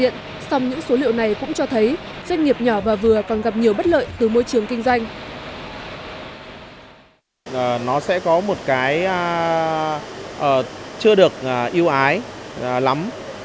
nó sẽ có một cái chưa được yêu ái lắm